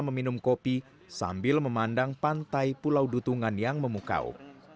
meminum kopi sambil memandang pantai pulau dutungan yang memukau